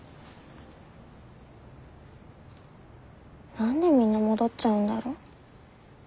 何でみんな戻っちゃうんだろ。